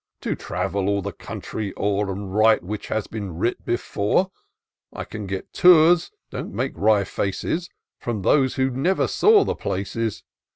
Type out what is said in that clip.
271 To travel all the country o'er, And write what has been writ before ! We can get Tours — don't make wry faces, From those who never saw the places